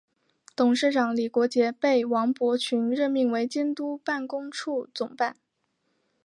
董事长李国杰被王伯群任命为监督办公处总办。